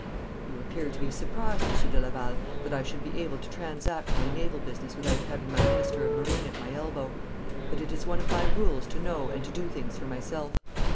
'You appear to be surprised, Monsieur de Laval, that I should be able to transact my naval business without having my minister of marine at my elbow; but it is one of my rules to know and to do things for myself.